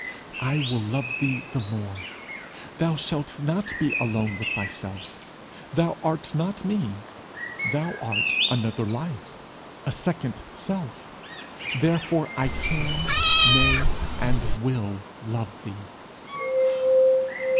I will love thee the more. Thou shalt not be alone with thyself. Thou art not me; thou art another life a second self; therefore I can, may, and will love thee."